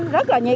rất là nhiều